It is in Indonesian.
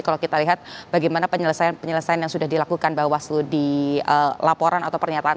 jadi kalau kita lihat bagaimana penyelesaian penyelesaian yang sudah dilakukan bawaslu di laporan atau pernyataan